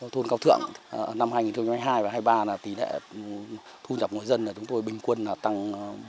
thôn cao thượng năm hai nghìn hai mươi hai và hai nghìn hai mươi ba là tỷ lệ thu nhập người dân là chúng tôi bình quân tăng một mươi bảy